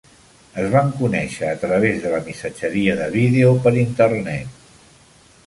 Es van conèixer a través de la missatgeria de vídeo per Internet.